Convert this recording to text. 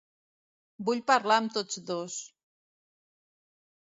Vull parlar amb tots dos.